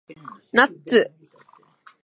ナッツ